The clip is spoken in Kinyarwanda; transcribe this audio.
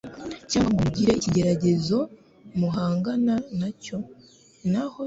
cyangwa ngo mugire ikigeragezo muhangana nacyo naho cyaba kimwe.